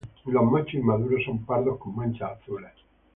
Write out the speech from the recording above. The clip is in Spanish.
Los machos inmaduros son pardos con manchas azules.